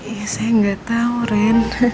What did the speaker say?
iya saya nggak tau ren